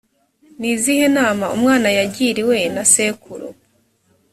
ni izihe nama umwana yagiriwe na sekuru